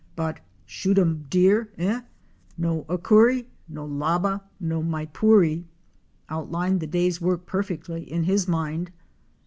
But 'Shoot um deer, eh? no accourie, no labba, no " maipurie," outlined the day's work perfectly in his mind.